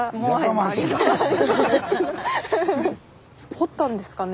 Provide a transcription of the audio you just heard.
彫ったんですかね